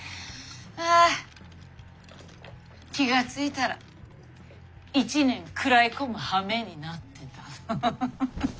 気が付いたら１年食らい込むはめになってた。